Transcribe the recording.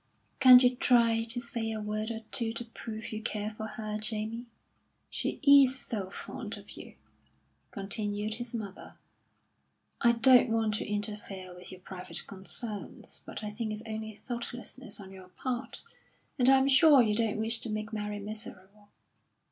"Can't you try to say a word or two to prove you care for her, Jamie? She is so fond of you," continued his mother. "I don't want to interfere with your private concerns, but I think it's only thoughtlessness on your part; and I'm sure you don't wish to make Mary miserable.